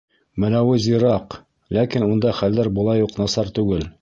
Мәләүез йыраҡ, ләкин унда хәлдәр былай уҡ насар түгел.